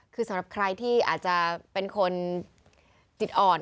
คือสำหรับใครที่อาจจะเป็นคนจิตอ่อน